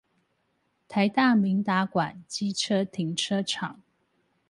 臺大明達館機車停車場